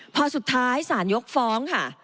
พอสุดท้ายสารยกฟ้องค่ะ